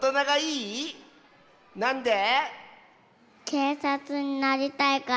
けいさつになりたいから。